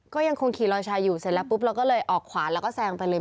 ก็ยังคงขี่รอยชายอยู่เสร็จแล้วปุ๊บเราก็เลยออกขวาแล้วก็แซงไปเลย